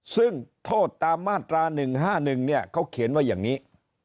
ซึ่งโทษตามมาตรา๑๕๑เขาเขียนว่าอย่างนี้